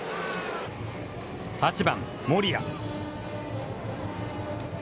８番森谷。